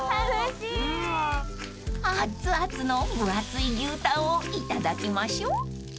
［熱々の分厚い牛タンをいただきましょう］